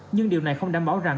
nhưng điều này không đảm bảo rằng